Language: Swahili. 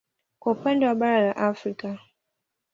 Kwa upande wa bara la Afrika